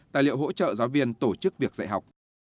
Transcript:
tài liệu hỗ trợ giáo viên tổ chức việc dạy học